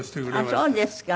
あっそうですか。